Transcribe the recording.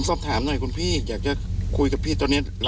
สอบถามหน่อยคุณพี่อยากจะคุยกับพี่ตัวนี้